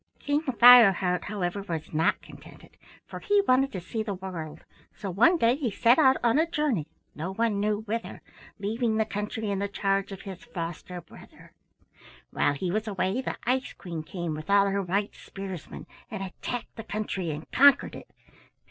"King Fireheart, however, was not contented, for he wanted to see the world, so one day he set out on a journey, no one knew whither, leaving the country in the charge of his foster brother. "While he was away the Ice Queen came with all her white spearsmen and attacked the country and conquered it.